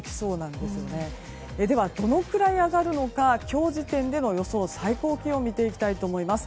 では、どのくらい上がるのか今日時点での予想最高気温を見ていきたいと思います。